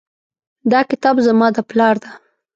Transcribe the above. دا کتاب زما د پلار ده